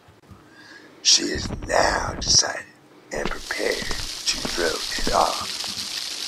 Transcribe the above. She is now decided, and prepared to throw it off.